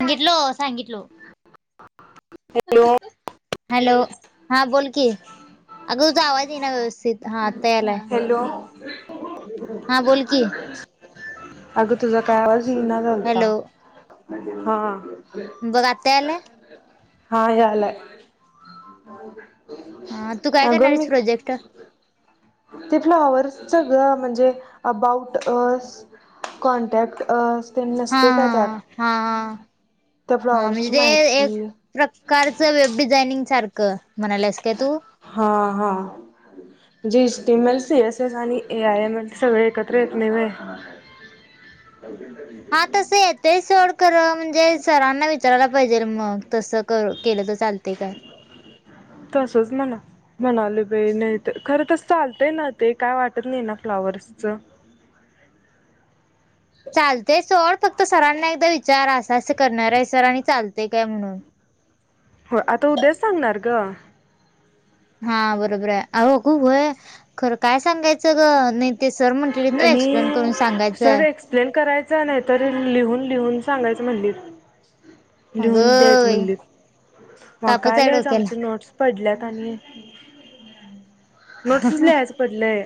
सांगितलो, सागितलो hello hello, हा बोल की, अगं तुझा आवाज ये ना व्यवस्थित. हा आता यायलाय. हॅलो हा बोल की अगं तुझा काय आवाज येई ना झा. हॅलो हां बघ आता यायलाय हां यालय. हा, तू काय करणारीस प्रोजेक्ट? तितलं अवर्सच च ग म्, हणजे अबाउट अस कॉन्टॅक्ट अस त्यां नसते का हा त्यात, हा त्या हा म्हणजे फ्लॉवरची ते एक माहिती. प्रकारचं वेब डिझायनिंग सारखं, म्हणालेस काय तू? हां हां.... जी team L, C S S आणि ए आय एम एल सगळे एकत्र येत नाही व्हय? अ [unintelligible] हा तस येत सोड खरं, म्हणजे सरांना विचारायला पाहिजे मग तसं करू केलं तर चालतय काय. तसंच म्हण. म्हणालोय बाई नाही, तर खरं तस चालतंय ना ते, काय वाटत नाही ना फ्लॉवर्सच. चालतंय सोड फक्त सरांना एकदा विचार, असं- असं करणार आहे सर आणि चालतंय काय म्हणून. होय, आता उद्याच सांगणार ग. हा बरोबर आहे, अह अगं व्हयं खरं काय सांगायचं गं. नाही ते सर म्हंटलीत नवं एक्सप्लेन करून आणि सर सांगायचायं. एक्सप्लेन करायचं नाही तर, लिहून -लिहून सांगायचं म्हणलीत. लिहून अगं द्याच बाई म्हणलीत, मग तापच काय आहे लिहायचं डोक्याला आमचे नोट्स? पडल्यात आणि नोट्सच लिहायचं पडलंय.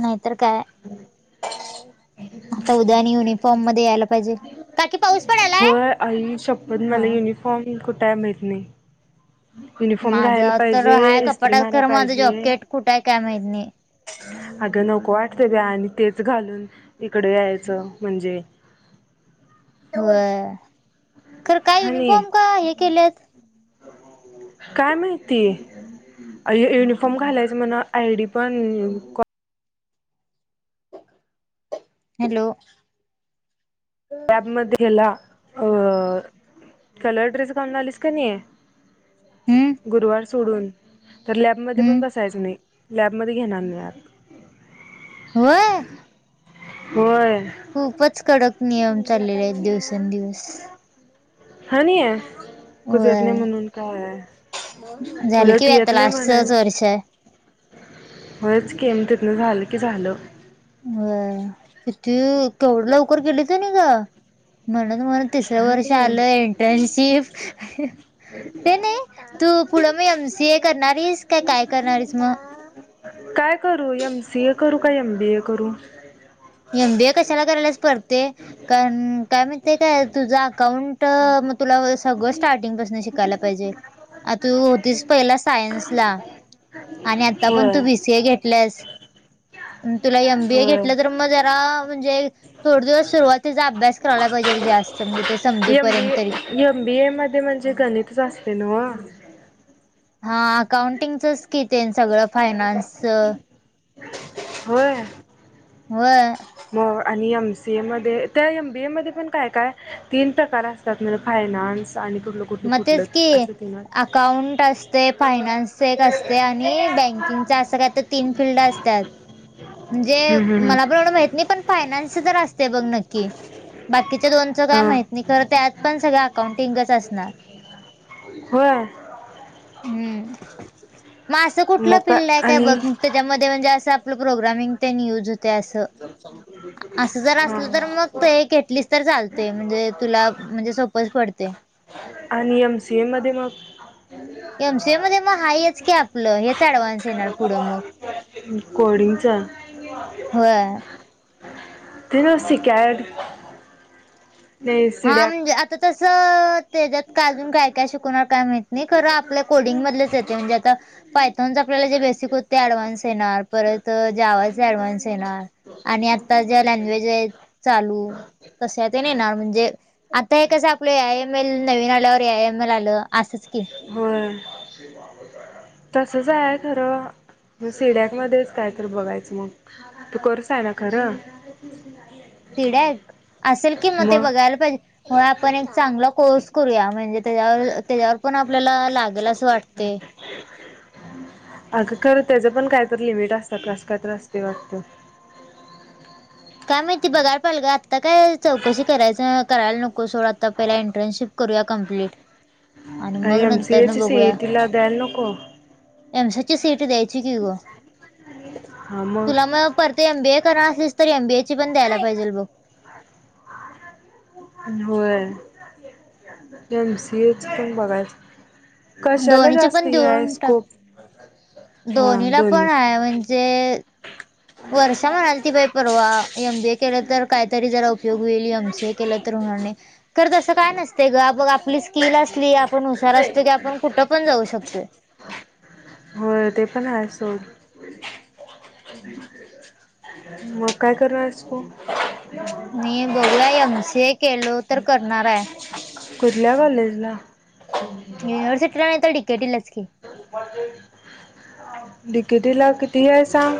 नाहीतर काय. आता उदया आणि युनिफॉर्म मध्ये यायला पाहि- पाहिजे काकी पाऊस पडायलाय? हं फॉर्मीग कुठाय माहीत नाही. युनिफॉर्म घालायला माझा तर हाय पाहिजे, इस्त्री कपाटात माराय खरं माझं पाहिजे. जॉकेट कुठं आहे काय माहित नाही. अगं नको वाटतं ग आणि तेच घालून इकडं यायचं म्हणजे. व्हंय हाणि [unintelligible] काय माहिती आयो युनिफॉर्म घालायचं म्हणं, आयडी पण काफ हॅलो. मध्ये ह्याला अ कलर ड्रेस घालून आलीस कनई हूं.. गुरुवार सोडून तर, लॅबमध्ये पण हम्म बसायचं नाही. लॅबमध्ये घेणार नाही आत.. व्हयं.. होय. खूपच कडक नियम चाललेले आहेत दिवसेंदिवस. हा नाही ह कुझ येत व्हय. नाही म्हणून काय... झालं कि उलट बई आता येत नाही लास्टचचं वर्ष आहे. व्हयंच की, मग तिथनं झालं की झालं. व्हयं किती केवढं लवकर गेलेत क नाही गं, म्हणत-म्हणत तिसरं वर्ष आणि आलं इंटर्नशिप. ते नाही तू पुढं मी एम सी ए करणारीस का काय करणारीस मग? काय करू एम सी ए करू का, एम बी ए करू.? एम बी ए कशाला करायल्यास परते. कारण काय महित्या काय तुझं अकाउंट, मग तुला सगळं स्टार्टिंग पासून शिकायला पाहिजे. आ तू होतीस पहिला सायन्सला. आणि आता पण होय तू बी सी ए घेतल्यास, तुला एम बी ए होय घेतलं तर मग जरा म्हणजे थोडं दिवस सुरुवातीचा अभ्यास करायला पाहिजेल जास्त. असं म्हणजे ते समज M B A, M B A मध्ये म्हणजे गणितच असते नव्हं.? हा अकाउंटिंगचंच की तेन सगळं फायनान्सचं. होय. व्हयं. म आणि एम सी ए मध्ये, त्या एम बी ए मध्ये पण काय काय तीन प्रकार असं त्यातल ज फायनान्स आणि कुटल. मगतेच कि अकाउंट असते फायनान्स च एक असतय आणि बँकिंगच असं काय तर तीन फिल्ड असत्यांत. म्हणजे मला पण एवढं माहीत नाही पण फायनान्स तर असते बघ नक्की. बाकीच्या दोनचं काय हां माहित नाही, खरं त्यात पण सगळं अकाउंटिंगच असणार. होय! म असं कुठलं मग का फिल्ड आहे काय आणि बघ त्याच्यामध्ये म्हणजे असं आपलं प्रोग्रामिंग तेन यूज होतय असं. असं जर हां असलं तर मग तू ये घेतलीसं तर चालतय म्हणजे तुला सोप्प पच पडतेय. आणि एम सी ए मध्ये मग. एम सी ए मध्ये म हायेच की आपलं हेच अडव्हान्स. कोडिंगच्या. होय ते ना सिकॅड. नाही हा सिडॅक म्हणजे आता तस त्याच्यात काय अजून काय काय शिकवणार काय माहित. नी खरं आपल्या कोडिंग मधलेच देते म्हणजे आता. पायथॉनच आपल्याला जे बेसिक होत ते ऍडव्हान्स येणार, परत जावाचे ऍडव्हान्स येणार. आणि आता ज्या लँग्वेज आहे, चालू तश्या तेन येणार म्हणजे. आता हे कसं आपलं ए आय एम एल नवीन आल्यावर ए आय एम एल आलं आसंच की. होय! तसच आहे खरं सिड्याक मध्येच काय तर बघायचं मंग. तू कोर्स आहे नां खरं. सिड्याक असेल कि म ते मग बघायला पाहिजे म्हणून आपण एक चांगला कोर्स करूया म्हणजे. त्यावर त्याच्यावर पण आपल्याला लागल असं वाटते. अगं खरं त्याच पण काय तर लिमिट असतात असं काय तरं असतेय वाटत. काय माहिती बघाय पाहंल ग आत्ता काय चौकशी करायचं करायला नक कोसो ला आता पहिला इंटर्नशिप करूया कप्लीट. काय आमची सि ए ची सी ए टी ला ब्यांनो कोरं. एम से ची सी ए टी द्यायची की ग तुला मग. परते एम बीए करा असेस तर एम बीए ची पण द्यायला पाहिजेल बघ. होय एम सी ए च पण बघायच. कशाला दोन्हीचे जास्त पण हे आहे देऊन टाक स्कोप. हा दोन्हीला दोन्ही पण आहे म्हणजे. वर्ष म्हणाली ती बाई परवा एम बी ए केलं तर कायतरी जरा उपयोग होईल, एम सी ए केलं तर होणार नाही. खर तसं काय नसतय ग, बग आपली स्किल असली आपण हुशार असतो, की आपण कुठं पण जाऊ शकतोय. होय ते पण आहे सोड. मग काय [unintelligible] मी बघूया एम सी ए केलो तर करणार आहे. कुठल्या कॉलेजला? युनवर्सिटीला नाही तर डि के टी लाच की. मंजे. डी कि टी ला किती हाय सांग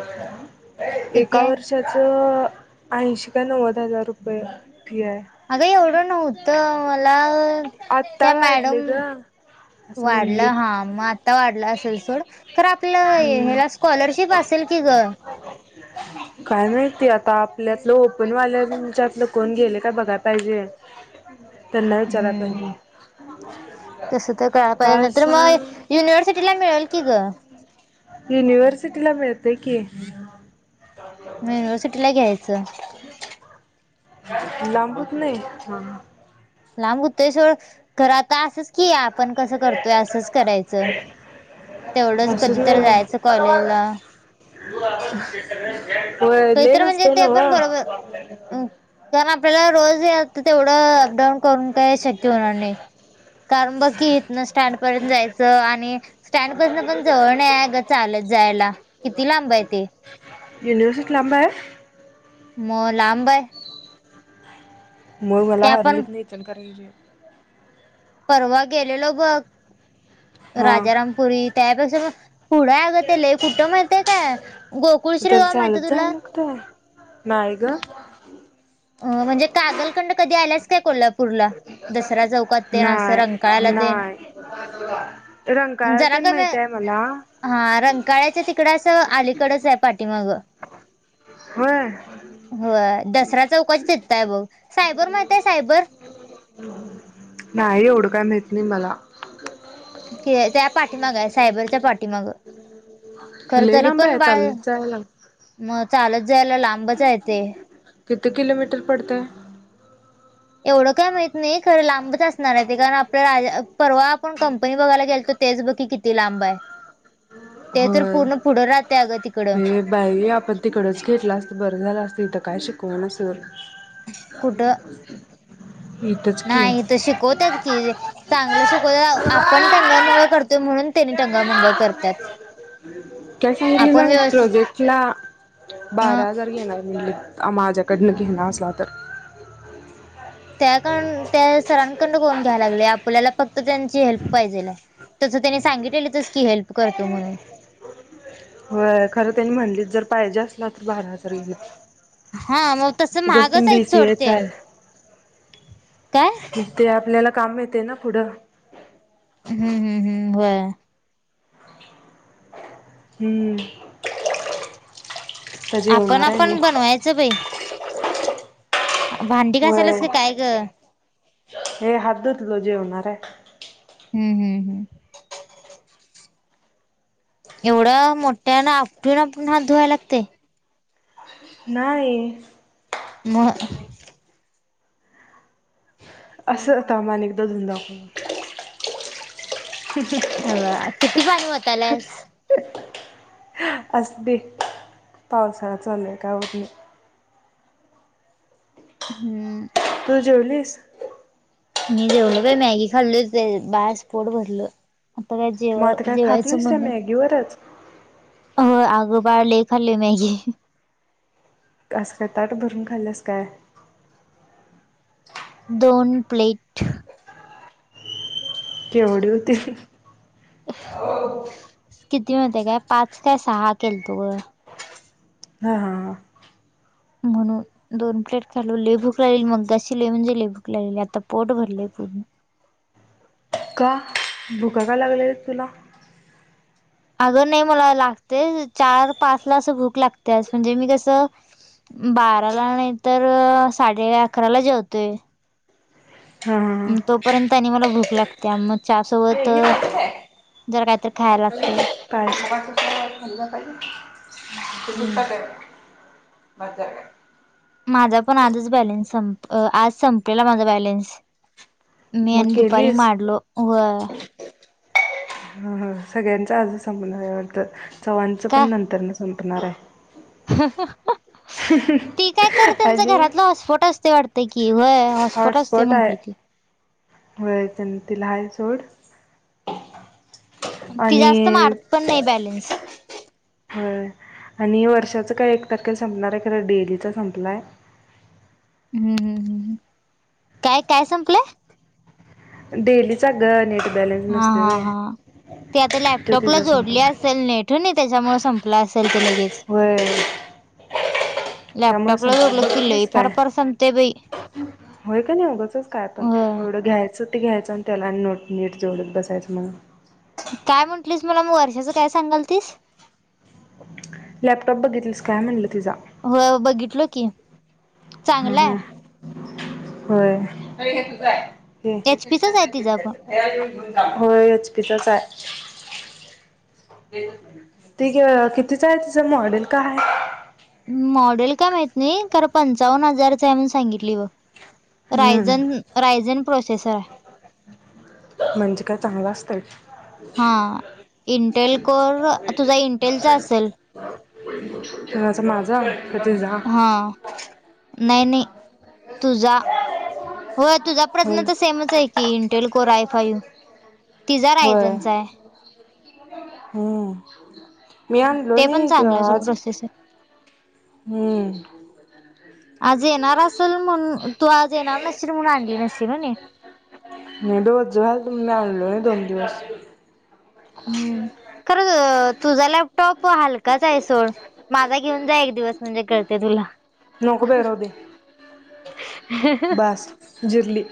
किती एका आहे वर्षात. च ऐंशी का नव्वद हजार रुपये फी आहे. अगं एवढं नव्हतं मला आत्ता त्या वाढले मॅडम. ग असं वाढलं म्हणलीत हा म आता वाढल असेल सोड तर आपलं हम्म हे-हेलासं. स्कॉलरशिप असेल की ग. हा. काय माहिती आता, आपल्यातलं ओपन वाल्याच्यातलं कोण गेले काय बघाय पाहिजे. त्यांना विचारात. हम्म तसं तर कळायला का पाहिजे नंतर मग सांग युनिव्हर्सिटीला मिळेल की ग. हम. [inaudible] युनिव्हर्सिटीला मिळतय की. मग युनिव्हर्सिटीला घ्यायचं. लांब होत नाही. लांब होतय सोड तर आता असंच की आपण कसं करतोय असंच करायचं. तेवढंच असंच कधी नाही तर जायचं कॉलेजला. होय लई कधीतर म्हणजे नसतंय ते पण नव्ह. बरोबर कारण आपल्याला रोज तेवढं अपडाऊन करून काही शक्य होणार नाही. कारण बघ की ईतन स्टँड पर्यंत जायचं आणि स्टँड पसन पण जवळ नाही अगं चालत जायला किती लांब आहे ते. युनिव्हर्सिटी लांब हाय. मग लांब हाय. मग ते मला आपण हरलीतन इचलकरंजी परवा गेलेलो बघ हा मग राजारामपुरी त्यापेक्षा मग. पुढं आगय ते लई कुठं माहितय काय गोकुळश्री त्याला गाव चालत माहितय जायला तुला. नाही ग. अ म्हणजे कागलकंड कधी आल्यास. काय कोल्हापूरला दसरा चौकात ते असं नाय रंकाळाला ते नाय. रंकाळा जरा तेन कमी माहीत्याय मला. हा रंकाळ्याच्या तिकडं असं अलीकडच आहे पाठीमाग. होय. होय दसरा चौकाच्या तीताय बघ. सायबर माहितय सायबर? नाही एवढ काय माहित नाही मला. की त्या पाठीमाग आहे सायबरच्या पाठीमागं. खर लय तरी लांब पण आहे बाळ चालत जायला म चालत जायला लांबच हाय ते. किती किलोमीटर पडतय. एवढं काय माहत नाही, खरं लांबच असणार आहे ते कारण आपलं राज परवा आपण कंपनी बघायला गेल तो. तेच बग किती लांब आहे ते तर होय पूर्ण पुढं राहते अगं तिकडं. हे बाई आपण तिकडच घेतला असतं बरं झालं असतं ईथं काय शिकवना सरळ. कुठं हम. नाही इथं शिकवतात की. चांगलं शिकवतात आपण टंगळमंगळ करतोय म्हणून. त्यांनी टंगळ मंगळ करत्यात. काय सांगितले आपण सांग व्यवस्थित- प्रोजेक्टला ह बारा हजार घेणार मी माझ्याकडनं घेणार असला तर. तेयाकडनं त्या सरांकडन कोण घ्यायला लागलय आपल्याला फक्त त्यांची हेल्प पाहिजेल हाय. तसं तेनी सांगितलेलीच की हेल्प करतो म्हणून. व्हय खरं त्यांनी म्हणलीत जर पाहिजे असलं तर बारा हजार घे- हा मग तस महागच आहेत सोड बीसीएच ते- आहे ते आपल्याला काम मिळतय ना पुढं. हम्म हम्म हम्म होय हम्म आता आपण जेवणार आहे मी आपण बनवायच बई. व्हय, काय ग? हे हात धुतलो जेवणार हाय. हम्म हम्म हम्म एवढ मोठ्यान आपटून -आपटून हात धुवाय लागतय. नाही. म अस, थांब आणि एकदा धुन दाखवतो. अग किती पाणी वताल्यास. असु दे पावसाळा चालु हाय काय होत नाही. हम्म तु जेवलीस? मी जेवलो बाई. मॅगी खालोय. त्याच्यात बास पोट भरल. आता काय जेव जेवायच मन नाही. मॅगी वरच होय अग बाळ लई खालोय मॅगी. अस काय ताट भरून खाल्यास काय? दोन प्लेट. केवढी होती? किती माहितीये काय, पाच काय सहा केलतो ग. हा हा म्हणून दोन प्लेट खालो. लई भूक लागलेली मगाशी लई म्हणजे लई भूक लागलेली. आता पोट भरलय पूर्ण. का भुका का लागल्यालीत तुला? अग नाही मला लागतेच. चार पाच ला अस भूक लागत्याच. म्हणजे मी कस बाराला नाही तर साडे अकराला जेवतोय. हा हा हा तोपर्यंत आणि मला भूक लागत्या, मग चहा हे सोबत हे जरा कायतर खायला लागतय. [unintelligible] बास झाल काय? माझा पण आजच बॅलेन्स संप, आज संपेल माझा बॅलेन्स. मी मग आणि दुपारी केलीस मारलो. व्हय ह हा सगळ्यांचा आजच संपणार हाय वाटत. चव्हाणच का पण नंतर न संपणार हाय. ती काय कर, त्यांच आणि घरातल हॉटस्पॉट असतय वाटत की, व्हय. हॉटस्पॉट हाय. व्हय तिला हाय सोड. अन ती जास्त आणि मारत पण नाही बॅलेन्स. होय. आणि वर्षाच काय एक तारखेला संपणार हाय खर डेलीचा संपलाय. हम्म हम्म हम्म हम्म, काय काय संपलय? डेलीचा गं नेट बॅलन्स हा नसतोय हा व्हय. हा ती आता तो लॅपटॉपला तिचा जोडली संपला. असेल नेट होय नि. त्याच्यामुळे संपल असेल ते लगेच. व्हय. त्यामुळ लॅपटॉपला संपलय. जोडलं की लई बघितलीस फार काय? फार संपते बाई होय काय नाही उगचच काय पण. हो एवढ घ्यायच ते घ्यायच आणि त्याला नोट नेट जोडत बसायच म्हण. काय म्हंटलीस मला म वर्षाचं काय सांगालतीस? लॅपटॉप बघितलीस काय म्हंटलं तीजा. व्हव बघितलो की. चांगला हम्म, आहे होय हे एचपीचाच आहे तिचा पण होय एच पी चाच आय. ते कितीच आय तिचं मॉडेल काय हाय? मॉडेल काय माहीत नाय खरं पंचावन्न हजारच हाय म्हणुन सांगितली बघ. हम्म रायझन रायझन प्रोसेसर आय. म्हणजे काय चांगलं असतंय? हा इंटेल कोर तुझा इंटेलचा असल. कुणाचा माझा का तीझा? हा नाय नाय तुझा व्हय तुझा होय प्रज्ञाचा सेमच हाय की इंटेल कोर आय फाइव्ह तिजा होय रायजनचा हाय. हम्म. मी आणलो ते पण नाय ग चांगलं आहे सोड आज प्रोसेसर. हम्म. आज येणार असल म्हणुन, तू आज येणार नशील म्हणून आणली नशील व्हय नी? नाय बाई वज्ज व्हालत म्हणुन मी आणलो नाय दोन दिवस. हम्म, खर तुझा लॅपटॉप हलकाच हाय सोड, माझा घेऊन जा एक दिवस म्हणजे कळतंय तुला. नको बाय राहूदे. बास जिरली.